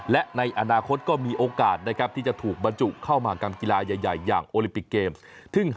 และในอนาคตก็มีโอกาสนะครับที่จะถูกบรรจุเข้ามหากรรมกีฬาใหญ่อย่างโอลิปิกเกมส์